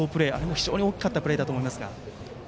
非常に大きかったプレーだと思いますが。